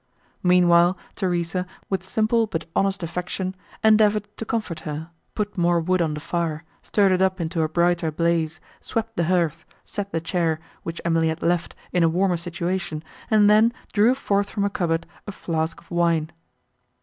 Meanwhile, Theresa, with simple, but honest affection, endeavoured to comfort her; put more wood on the fire, stirred it up into a brighter blaze, swept the hearth, set the chair, which Emily had left, in a warmer situation, and then drew forth from a cupboard a flask of wine.